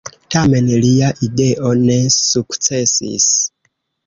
Tamen lia ideo ne sukcesis.